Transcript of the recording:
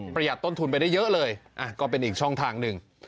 ประหยัดต้นทุนไปได้เยอะเลยก็เป็นอีกช่องทางหนึ่ง